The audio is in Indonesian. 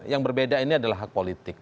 yang berbeda ini adalah hak politik